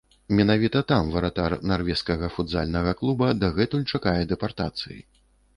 Менавіта там варатар нарвежскага футзальнага клуба дагэтуль чакае дэпартацыі.